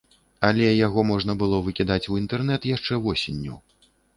Але яго можна было выкідаць у інтэрнэт яшчэ восенню.